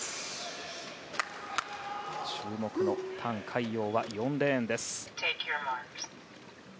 注目のタン・カイヨウは４レーンです。